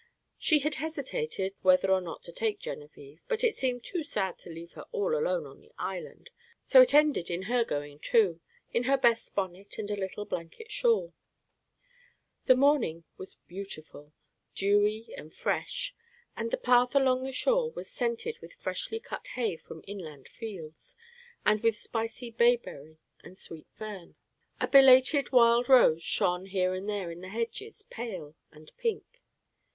She had hesitated whether or not to take Genevieve, but it seemed too sad to leave her all alone on the island, so it ended in her going too, in her best bonnet and a little blanket shawl. The morning was most beautiful, dewy and fresh, and the path along the shore was scented with freshly cut hay from inland fields, and with spicy bayberry and sweet fern. A belated wild rose shone here and there in the hedges, pale and pink.